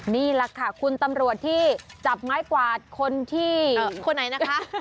นี่แหละค่ะคุณตำรวจที่จับไม้กวาดคนที่คนไหนนะคะ